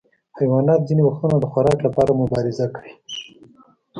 حیوانات ځینې وختونه د خوراک لپاره مبارزه کوي.